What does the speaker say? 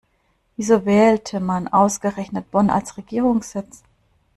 Wieso wählte man ausgerechnet Bonn als Regierungssitz?